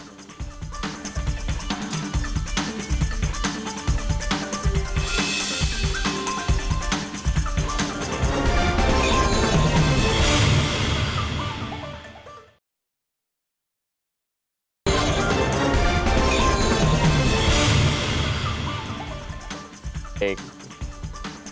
kita akan lanjutkan